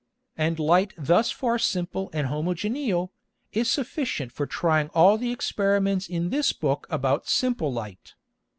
And Light thus far simple and homogeneal, is sufficient for trying all the Experiments in this Book about simple Light.